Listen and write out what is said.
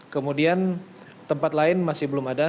kemudian tempat lain masih belum ada